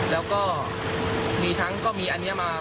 แล้วก็มีทั้งก็มีอันนี้มา